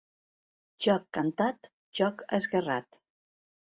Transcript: Joc cantat, joc esguerrat.